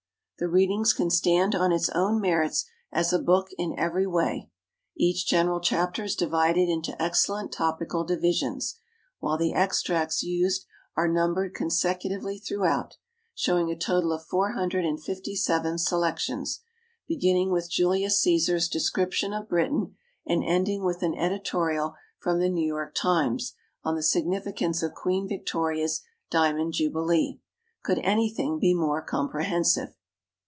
The "Readings" can stand on its own merits as a book in every way. Each general chapter is divided into excellent topical divisions, while the extracts used are numbered consecutively throughout, showing a total of four hundred and fifty seven selections, beginning with Julius Cæsar's description of Britain and ending with an editorial from the "New York Times" on the significance of Queen Victoria's Diamond Jubilee. Could anything be more comprehensive?